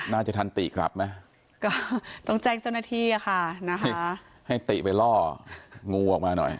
น่าจะทันติกลับไหมก็ต้องแจ้งเจ้าหน้าที่อะค่ะนะคะให้ติไปล่องูออกมาหน่อย